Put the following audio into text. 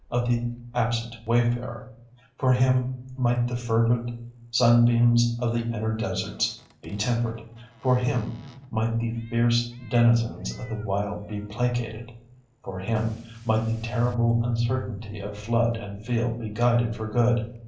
—of the absent wayfarer—for him might the fervid sunbeams of the inner deserts—be tempered—for him might the fierce denizens of the wild be placated—for him might the terrible uncertainty of flood and field be guided for good!